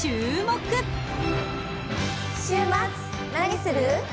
週末何する？